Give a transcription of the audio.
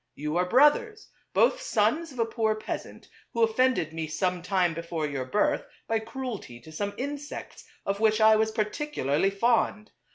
You are brothers; both sons of a poor peasant who offended me some time before your birth, by cruelty to some insects of which I was particularly fond.